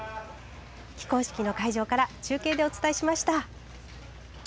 起工式の会場から中継でお伝えしました。